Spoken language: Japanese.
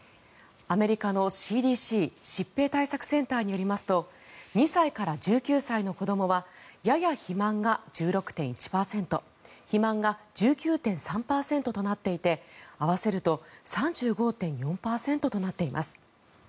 アメリカのＣＤＣ・疾病対策センターによりますと２歳から１９歳の子どもはやや肥満が１６．１％肥満が１９．３％となっていて合わせると３５．４％となっています。